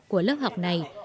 của lớp học này